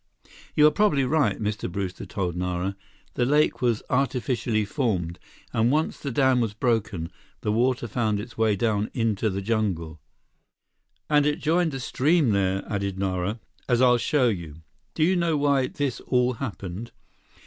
"You are probably right," Mr. Brewster told Nara. "The lake was artificially formed, and once the dam was broken, the water found its way down into the jungle." "And it joined a stream there," added Nara, "as I'll show you. Do you know why this all happened?"